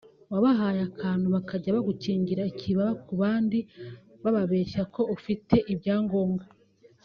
wabahaye akantu bakajya bagukingira ikibaba ku bandi bababeshya ko ufite ibyangombwa